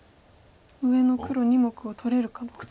上の黒２目を取れるかどうか。